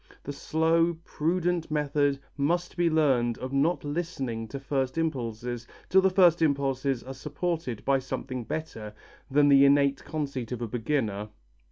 The slow, prudent method must be learnt of not listening to first impulses till the first impulses are supported by something better than the innate conceit of a beginner.